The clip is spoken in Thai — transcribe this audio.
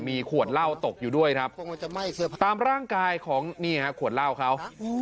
มีขวดเหล้าตกอยู่ด้วยครับตามร่างกายของนี่ฮะขวดเหล้าเขา